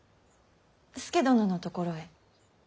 佐殿のところへ。